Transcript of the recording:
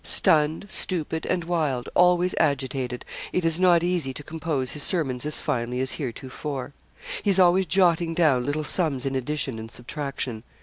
Stunned, stupid, and wild always agitated it is not easy to compose his sermons as finely as heretofore. He is always jotting down little sums in addition and subtraction.